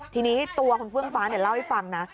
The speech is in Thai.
ทีนี้ตัวคุณเฟื่องฟ้าเล่าให้ฟังนะ